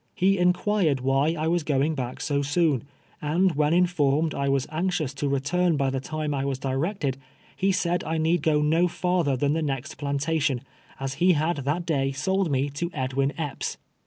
lie inquired why I was go ing back so soon, and when informed I was anxious to return by the time I was directed, he said I need go no farther than the next plantation, as he luidthat day sold me to Edwin Epps.